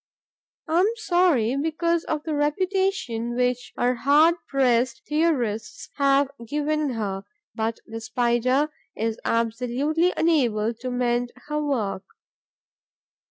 I am sorry, because of the reputation which our hard pressed theorists have given her, but the Spider is absolutely unable to mend her work.